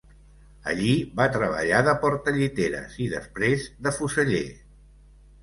Allí, va treballar de portalliteres i després de fuseller.